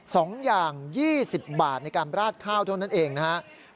สองอย่างยี่สิบบาทในการราดข้าวเท่านั้นเองนะครับ